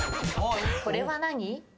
これは何？